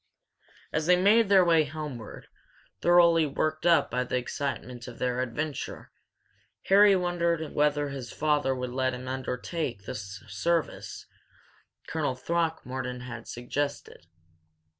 As they made their way homeward, thoroughly worked up by the excitement of their adventure, Harry wondered whether his father would let him undertake this service Colonel Throckmorton had suggested.